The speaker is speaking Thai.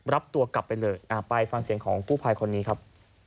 รับตัวกลับไปเลยไปฟังเสียงของกู้ภัยคนนี้ครับ